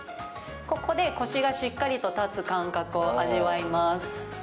ここで腰がしっかりと立つ感覚を味わいます。